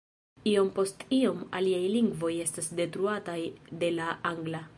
Iom post iom aliaj lingvoj estas detruataj de la angla.